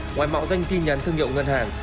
ngoài mạo danh tin nhắn thương hiệu ngân hàng